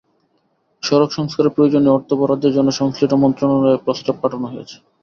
সড়ক সংস্কারে প্রয়োজনীয় অর্থ বরাদ্দের জন্য সংশ্লিষ্ট মন্ত্রণালয়ে প্রস্তাব পাঠানো হয়েছে।